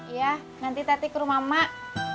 iya nanti tadi ke rumah mak